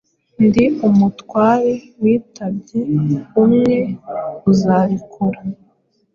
Ndi umutware witabyeumwe uzabikora